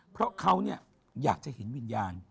เพราะเขาอยากจะเห็นวิญญาณ